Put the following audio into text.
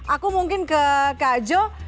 aku mungkin ke kak jo